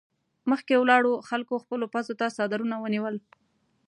مخکې ولاړو خلکو خپلو پزو ته څادرونه ونيول.